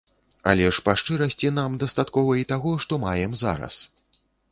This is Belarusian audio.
Але ж па шчырасці нам дастаткова і таго, што маем зараз.